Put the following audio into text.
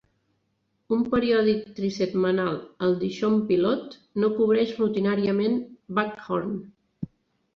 Un periòdic trisetmanal, el Dixon Pilot, no cobreix rutinàriament Buckhorn.